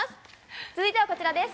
続いてはこちらです。